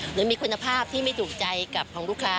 หรือมีคุณภาพที่ไม่ถูกใจกับของลูกค้า